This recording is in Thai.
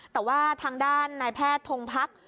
แต่ว่าทางด้านนายแพทย์ทงพัก